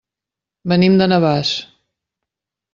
Venim de Navàs.